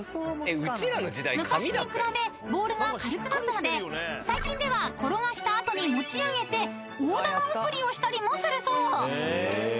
［昔に比べボールが軽くなったので最近では転がした後に持ち上げて大玉送りをしたりもするそう］